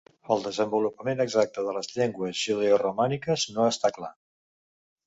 El desenvolupament exacte de les llengües judeoromàniques no està clar.